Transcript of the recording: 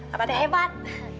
abah teh hebat